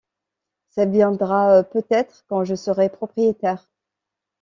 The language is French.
Ça viendra peut-être, quand je serai propriétaire.